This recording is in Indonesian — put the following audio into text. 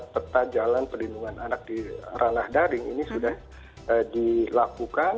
peta jalan perlindungan anak di ranah daring ini sudah dilakukan